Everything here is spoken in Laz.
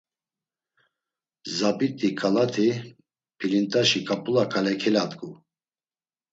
Zabit̆i, ǩalati pilintaşi ǩap̌ula ǩale keladgu.